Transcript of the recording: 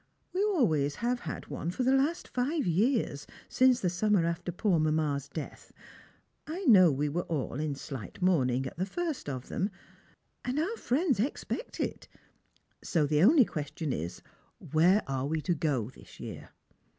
We always have had one for the last five years, since the summer after poor mamma's death, — I know we were all in slight mourning at the first of them, — and our friends exjject it. So the only question is, where are we to go this year